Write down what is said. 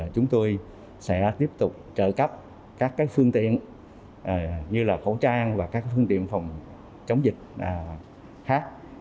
chúng tôi sẽ tiếp tục trợ cấp các phương tiện như là khẩu trang và các phương tiện phòng chống dịch khác